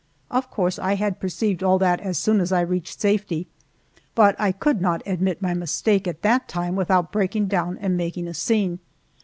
Of course I had perceived all that as soon as I reached safety, but I could not admit my mistake at that time without breaking down and making a scene.